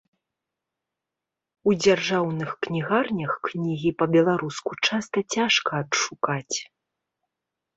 У дзяржаўных кнігарнях кнігі па-беларуску часта цяжка адшукаць.